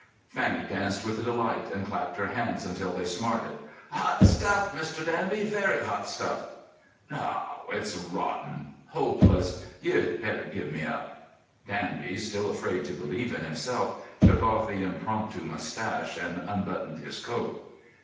Fanny danced with delight, and clapped her hands until they smarted. "Hot stuff, Mr. Danby; very hot stuff!" "No; it's rotten. Hopeless. You'd better give me up!" Danby, still afraid to believe in himself, took off the impromptu moustache and unbuttoned his coat.